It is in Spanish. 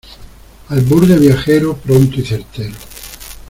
albur de viajero, pronto y certero.